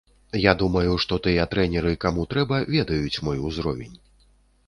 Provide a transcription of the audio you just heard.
Я думаю, што тыя трэнеры, каму трэба, ведаюць мой узровень.